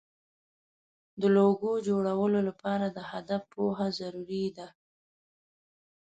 د لوګو جوړولو لپاره د هدف پوهه ضروري ده.